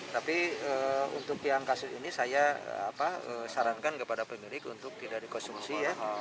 tapi untuk yang kasus ini saya sarankan kepada pemilik untuk tidak dikonsumsi ya